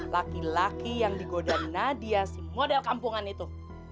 laki laki yang digoda nadia si model kampungan itu